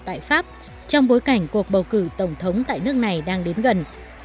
tại pháp trong bối cảnh cuộc bầu cử tổng thống tại nước này đang đến gần